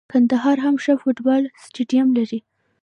کندهار هم ښه فوټبال سټیډیم لري.